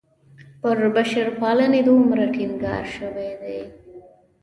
پر بشرپالنې دومره ټینګار شوی دی.